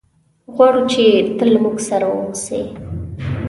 غواړو چې ته له موږ سره اوسېږي.